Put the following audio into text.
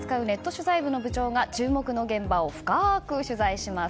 取材部の部長が注目の現場を深く取材します。